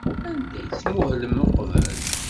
Anda ay tmuhlem uqbel?